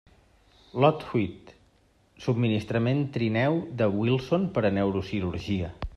Lot huit: subministrament trineu de Wilson per a Neurocirurgia.